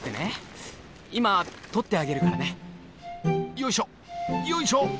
よいしょよいしょ。